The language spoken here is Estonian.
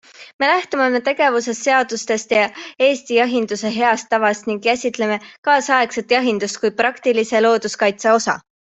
Me lähtume oma tegevuses seadustest ja Eesti jahinduse heast tavast ning käsitleme kaasaegset jahindust kui praktilise looduskaitse osa.